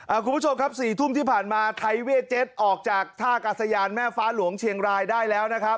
คุณผู้ชมครับสี่ทุ่มที่ผ่านมาไทเวเจ็ดออกจากท่ากาศยานแม่ฟ้าหลวงเชียงรายได้แล้วนะครับ